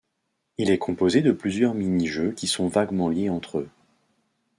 Il est composé de plusieurs mini-jeux qui sont vaguement liés entre eux.